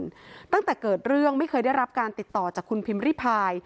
ตั้งแต่เกิดเรื่องไม่เคยได้รับการติดต่อจากคุณพิมพ์ริพาย